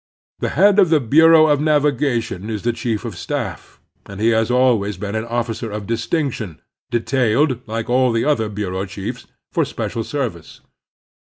The head of the Bureau of Navigation is the chief of staff, and he has always been an officer of distinction, detailed, like all of the other bureau chiefs, for special ser vice.